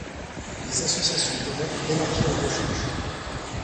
Les associations permettent d'élargir la recherche.